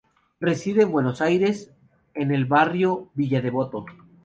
Reside en Buenos Aires, en el barrio Villa Devoto.